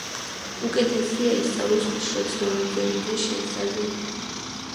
უკეთესია ისწავლო სხვის შეცდომებზე ვიდრე შენსაზე.